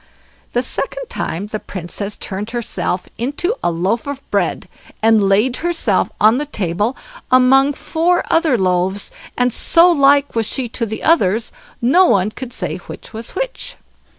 The second time the Princess turned herself into a loaf of bread, and laid herself on the table among four other loaves; and so like was she to the others, no one could say which was which.